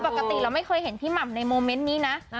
ปกติเราไม่เคยเห็นพี่หม่ำในโมเมนต์นี้นะ